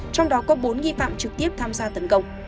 trong đó có bốn nghi phạm trực tiếp tham gia tấn công